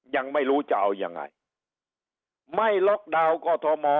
ยังไม่รู้จะเอายังไงไม่ล็อกดาวน์กอทม